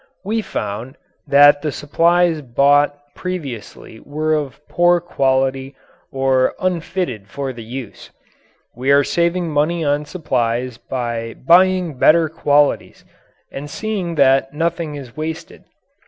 We found that the supplies bought previously were of poor quality or unfitted for the use; we are saving money on supplies by buying better qualities and seeing that nothing is wasted.